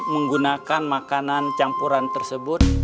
menggunakan makanan campuran tersebut